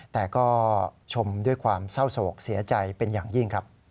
แต่ก็ชมด้วยความเศร้าโศกเสียใจเป็นอย่างยิ่งครับ